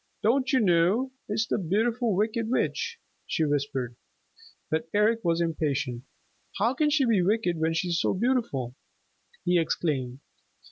"Don't you know? It's the Beautiful Wicked Witch!" she whispered. But Eric was impatient. "How can she be wicked when she's so beautiful!" he exclaimed.